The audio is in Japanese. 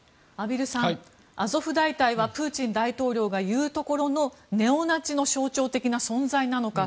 畔蒜さん、アゾフ大隊はプーチン大統領が言うところのネオナチの象徴的な存在なのか。